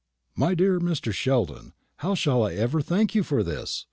"My dear Mr. Sheldon, how shall I ever thank you for this!"